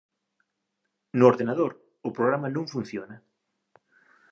No ordenador o programa non funciona.